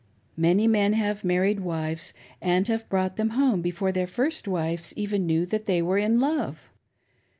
Many men have married wives, and have brought them home, before their first wives knew even that they were iri love.